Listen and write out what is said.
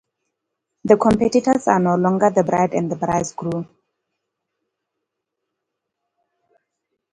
The competitors are no longer the bride and bridegroom.